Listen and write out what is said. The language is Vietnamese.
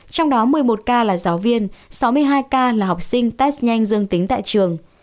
trong đó một mươi một ca là giáo viên sáu mươi hai ca là học sinh test nhanh dương tính tại trường